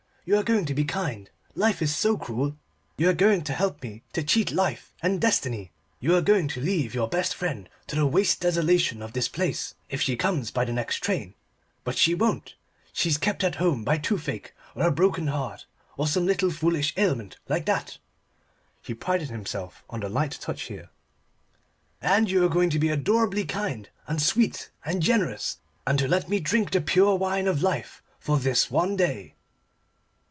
"You are going to be kind. Life is so cruel. You are going to help me to cheat Life and Destiny. You are going to leave your friend to the waste desolation of this place, if she comes by the next train: but she won't she's kept at home by toothache, or a broken heart, or some little foolish ailment like that," he prided himself on the light touch here, "and you are going to be adorably kind and sweet and generous, and to let me drink the pure wine of life for this one day."